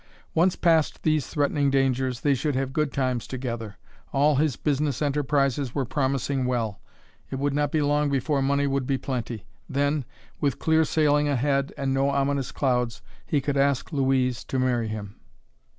Once past these threatening dangers, they should have good times together. All his business enterprises were promising well; it would not be long before money would be plenty. Then, with clear sailing ahead and no ominous clouds, he could ask Louise to marry him.